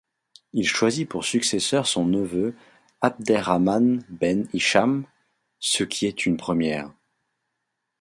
Il choisit pour successeur son neveu Abderrahmane Ben Hicham, ce qui est une première.